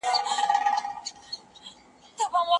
دري بې شاعرانو نه ده.